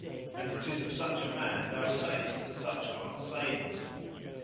And it is of such a man thou sayest such hard sayings.